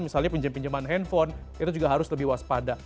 misalnya pinjem pinjeman handphone itu juga harus lebih waspada